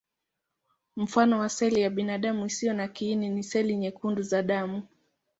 Mfano wa seli ya binadamu isiyo na kiini ni seli nyekundu za damu.